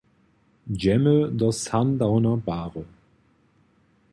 Dźemy do Sundowner-bary!